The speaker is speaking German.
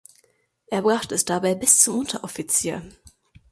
Er brachte es dabei bis zum Unteroffizier.